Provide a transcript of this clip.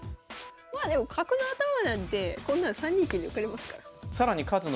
まあでも角の頭なんてこんなん３二金で受かりますから。